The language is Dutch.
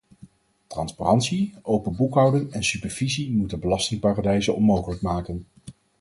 Transparantie, open boekhouding en supervisie moeten belastingparadijzen onmogelijk maken.